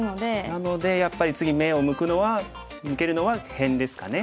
なのでやっぱり次目を向けるのは辺ですかね。